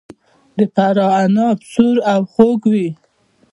د فراه عناب سور او خوږ وي.